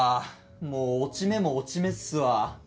もう落ち目も落ち目っすわ。